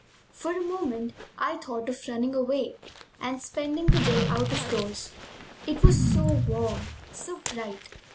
For a moment I thought of running away and spending the day out of doors. It was so warm, so bright!